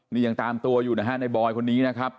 นี่ยังตามตัวอยู่นะฮะในบอยคนนี้นะครับ